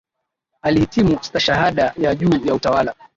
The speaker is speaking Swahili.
Alihitimu stashahada ya juu ya Utawala